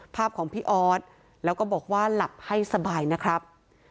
ภาพของพี่ออสแล้วก็บอกว่าหลับให้สบายนะครับ